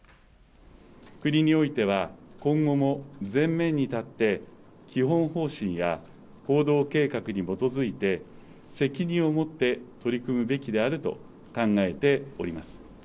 国においては、今後も前面に立って、基本方針や行動計画に基づいて、責任をもって取り組むべきであると考えております。